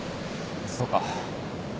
そうか。